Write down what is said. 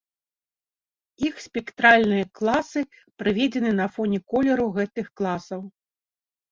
Іх спектральныя класы прыведзены на фоне колеру гэтых класаў.